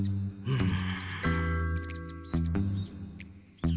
うん。